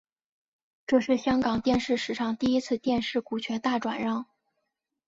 这是香港电视史上第一次电视股权大转让。